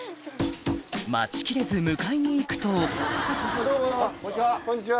待ちきれず迎えに行くとこんにちは！